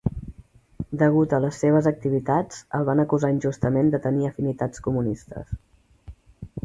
Degut a les seves activitats, el van acusar injustament de tenir afinitats comunistes.